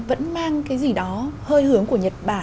vẫn mang cái gì đó hơi hướng của nhật bản